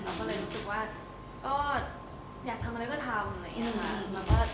เราก็เลยรู้สึกว่าก็อยากทำอะไรก็ทำอะไรอย่างนี้นะคะ